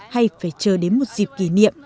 hay phải chờ đến một dịp kỷ niệm